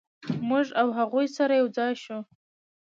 موږ او هغوی سره یو ځای شوو.